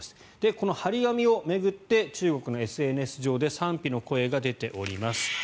この貼り紙を巡って中国のＳＮＳ上で賛否の声が出ております。